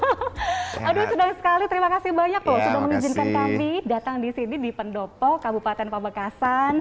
aduh senang sekali terima kasih banyak loh sudah mengizinkan kami datang di sini di pendopo kabupaten pamekasan